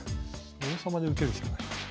王様で受けるしかない。